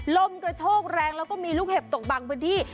ลมกระโชกแรงแล้วก็มีลูกเห็บตกบางพื้นที่